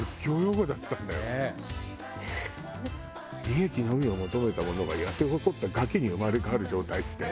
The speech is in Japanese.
「利益のみを求めた者が痩せ細った餓鬼に生まれ変わる状態」って。